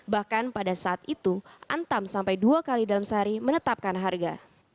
bahkan pada saat itu antam sampai dua kali dalam sehari menetapkan harga